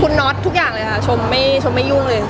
คุณน็อตทุกอย่างเลยค่ะชมไม่ชมไม่ยุ่งเลย